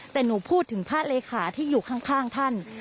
แต่หนูพูดถึงพระเลขาที่อยู่ข้างท่าน